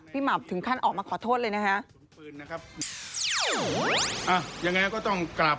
หม่ำถึงขั้นออกมาขอโทษเลยนะฮะ